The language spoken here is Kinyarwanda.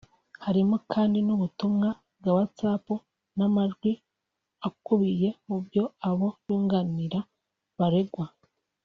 Harimo kandi n’ubutumwa bwa Whatsapp n’amajwi akubiye mu byo abo yunganira baregwa